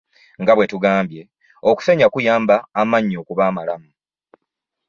Nga bwe tugambye, okusenya kuyamba amannyo okuba amalamu.